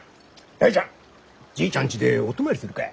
大ちゃんじいちゃんちでお泊まりするか！